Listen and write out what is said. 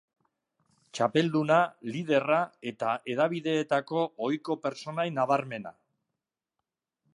Txapelduna, liderra eta hedabideetako ohiko pertsonai nabarmena.